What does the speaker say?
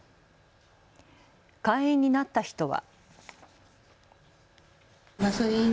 会員になった人は。